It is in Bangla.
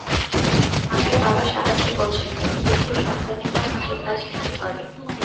মাকে বাবা সাহায্য করছেন এটি দেখলে সন্তানেরাও নিজের কাজ নিজে করে।